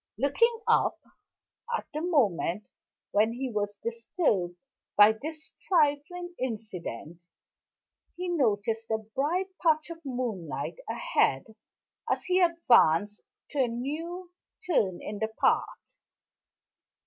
Looking up, at the moment when he was disturbed by this trifling incident, he noticed a bright patch of moonlight ahead as he advanced to a new turn in the path.